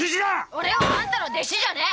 俺はあんたの弟子じゃねえ！